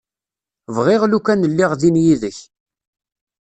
Bɣiɣ lukan lliɣ din yid-k.